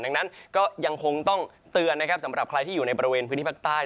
ดังนั้นก็ยังคงต้องเตือนนะครับสำหรับใครที่อยู่ในบริเวณพื้นที่ภาคใต้